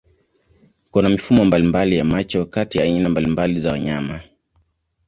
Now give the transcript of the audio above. Kuna mifumo mbalimbali ya macho kati ya aina mbalimbali za wanyama.